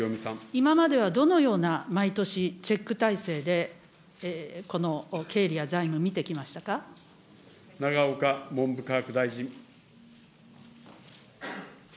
今まではどのような毎年、チェック体制で、この経理や財務、永岡文部科学大臣。